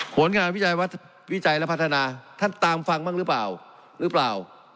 ผลงานวิจัยและพัฒนาท่านตามฟังบ้างหรือเปล่า